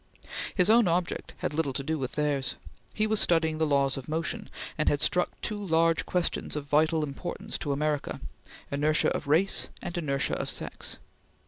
His own object had little to do with theirs. He was studying the laws of motion, and had struck two large questions of vital importance to America inertia of race and inertia of sex.